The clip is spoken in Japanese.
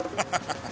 ハハハ。